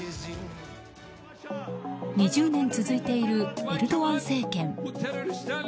２０年続いているエルドアン政権。